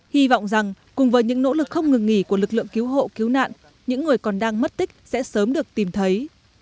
hy vọng rằng cùng với những nỗ lực không ngừng nghỉ của lực lượng cứu hộ cứu nạn những người còn đang mất tích sẽ sớm được tìm thấy